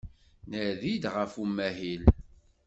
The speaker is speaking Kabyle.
Nadi-d ɣef umahil.